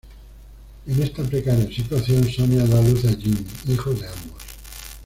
En esta precaria situación, Sonia da a luz a Jimmy, hijo de ambos.